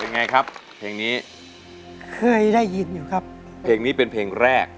ไงครับเพลงนี้เคยได้ยินอยู่ครับเพลงนี้เป็นเพลงแรก